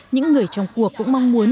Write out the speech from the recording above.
những người trong cuộc cũng mong muốn